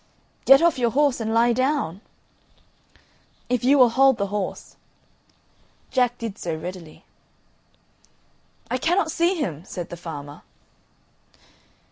"Get off your horse and lie down." "If you will hold the horse." Jack did so readily. "I cannot see him," said the farmer.